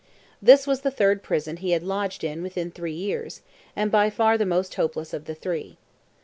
This was the third prison he had lodged in within three years, and by far the most hopeless of the three.